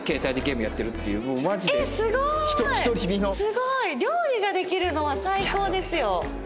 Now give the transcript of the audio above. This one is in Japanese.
すごい！料理ができるのは最高ですよ！